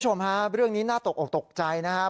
คุณผู้ชมฮะเรื่องนี้น่าตกออกตกใจนะครับ